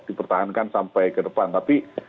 dipertahankan sampai ke depan tapi